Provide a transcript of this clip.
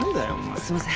すいません